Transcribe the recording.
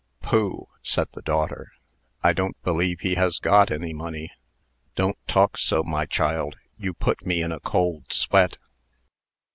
"Pooh!" said the daughter; "I don't believe he has got any money." "Don't talk so, my child. You put me in a cold sweat."